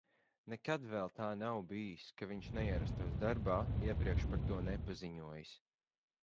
Nekad vēl tā nav bijis, ka viņš neierastos darbā, iepriekš par to nepaziņojis.